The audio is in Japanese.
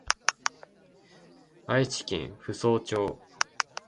愛知県扶桑町